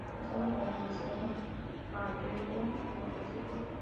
Casado con Griselda Gallegos, tiene tres hijos.